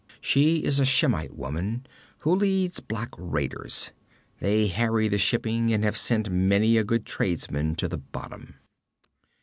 She is a Shemite woman, who leads black raiders. They harry the shipping and have sent many a good tradesman to the bottom.'